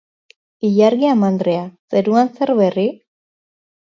Ilargi amandrea, zeruan zer berri?